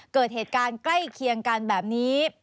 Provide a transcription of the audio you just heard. เกิดเหตุการณ์ใกล้เคียงกันแบบนี้